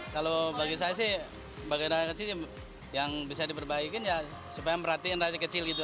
tapi bagian rakyat kecil yang bisa diperbaikin ya supaya merhatiin rakyat kecil gitu aja